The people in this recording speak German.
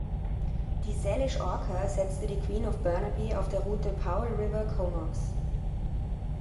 Die "Salish Orca" ersetzte die "Queen of Burnaby" auf der Route Powell River–Comox.